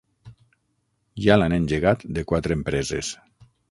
Ja l'han engegat de quatre empreses.